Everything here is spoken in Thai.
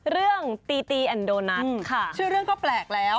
เรื่องตีตีแอนโดนัทชื่อเรื่องก็แปลกแล้ว